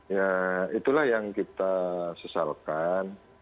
ya itulah yang kita sesalkan